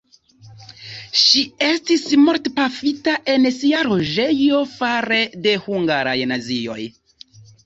Ŝi estis mortpafita en sia loĝejo fare de hungaraj nazioj.